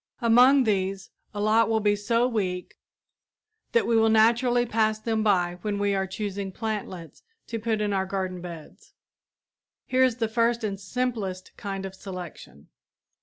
Among these a lot will be so weak that we will naturally pass them by when we are choosing plantlets to put in our garden beds. Here is the first and simplest kind of selection.